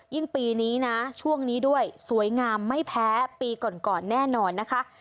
ปีนี้นะช่วงนี้ด้วยสวยงามไม่แพ้ปีก่อนก่อนแน่นอนนะคะ